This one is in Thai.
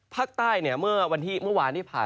ภาคใต้เนี่ยเมื่อวานที่ผ่านมา